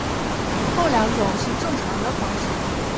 后两种是正常的方式。